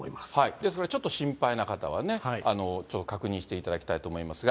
ですからちょっと心配な方はね、ちょっと確認していただきたいと思いますが。